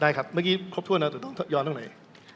ได้ครับเมื่อกี้ครบถ้วนนะตัวต้องย้อนล่ะไหน